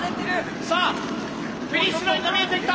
さあフィニッシュラインが見えてきた。